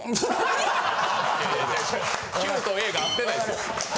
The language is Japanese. ＱとＡが合ってないですよ。